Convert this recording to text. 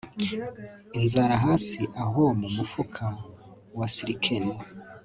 Inzara hasi aho mumufuka wa silken